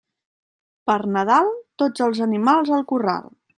Per Nadal, tots els animals al corral.